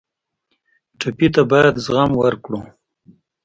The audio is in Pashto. ټپي ته باید زغم ورکړو.